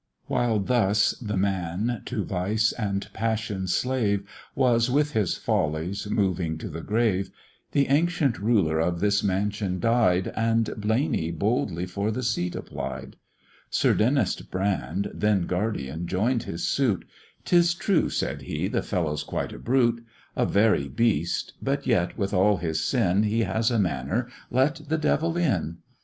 While thus the man, to vice and passion slave, Was, with his follies, moving to the grave, The ancient ruler of this mansion died, And Blaney boldly for the seat applied: Sir Denys Brand, then guardian, join'd his suit: "'Tis true," said he, "the fellow's quite a brute A very beast; but yet, with all his sin, He has a manner let the devil in."